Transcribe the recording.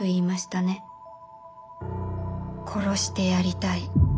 「殺してやりたい」。